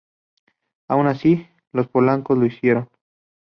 Aun así, los polacos lo hicieron.